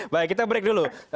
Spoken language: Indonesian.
baik kita break dulu